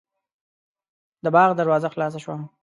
د باغ دروازه خلاصه شوه.